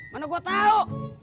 mana gua tau